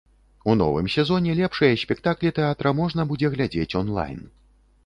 У новым сезоне лепшыя спектаклі тэатра можна будзе глядзець онлайн.